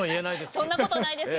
「そんなことないですよ」